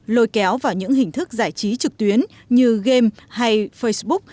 lôi kéo vào những hình thức giải trí trực tuyến như game hay facebook